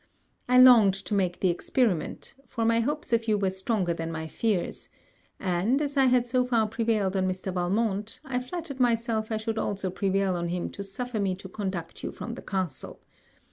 I longed to make the experiment, for my hopes of you were stronger than my fears; and, as I had so far prevailed on Mr. Valmont, I flattered myself I should also prevail on him to suffer me to conduct you from the castle.